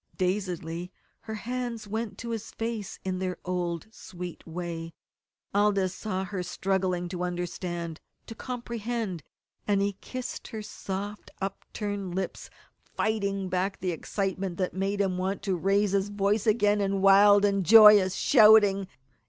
Dazedly her hands went to his face in their old, sweet way. Aldous saw her struggling to understand to comprehend; and he kissed her soft upturned lips, fighting back the excitement that made him want to raise his voice again in wild and joyous shouting.